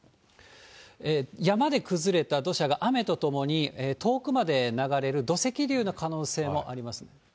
山で崩れた土砂が、雨とともに遠くまで流れる土石流の可能性もあります。